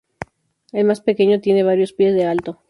El más pequeño tenía varios pies de alto.